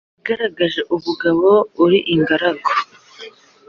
Wagaragaje ubugabo uri ingaragu